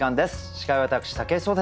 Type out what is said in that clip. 司会は私武井壮です。